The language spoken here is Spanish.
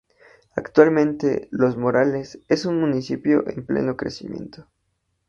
Actualmente Los Molares es un municipio en pleno crecimiento.